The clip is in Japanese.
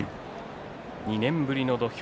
２年ぶりの土俵